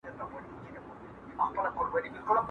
- نه صیبه ګوګل پيزا ده!